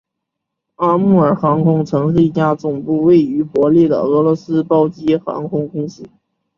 阿穆尔航空曾是一家总部位于伯力的俄罗斯包机航空公司。